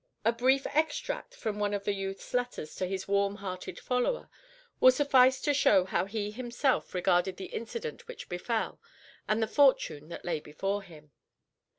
A brief extract from one of the youth's letters to his warm hearted follower will suffice to show how he himself regarded the incident which befell, and the fortune that lay before him.